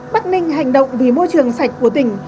bắc ninh hành động vì môi trường sạch của tỉnh